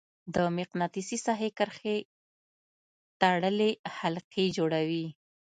د مقناطیسي ساحې کرښې تړلې حلقې جوړوي.